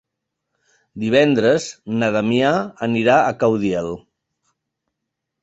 Divendres na Damià anirà a Caudiel.